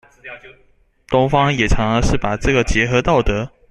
東方也常常是把這個結合道德